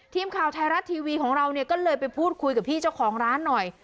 ทีมข่าวไทยรัฐทีวีของเราเนี่ยก็เลยไปพูดคุยกับพี่เจ้าของร้านหน่อย